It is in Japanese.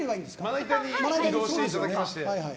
まな板に移動していただきまして。